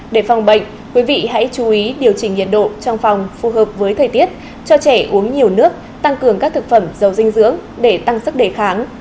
để phòng bệnh quý vị hãy chú ý điều chỉnh nhiệt độ trong phòng phù hợp với thời tiết cho trẻ uống nhiều nước tăng cường các thực phẩm dầu dinh dưỡng để tăng sức đề kháng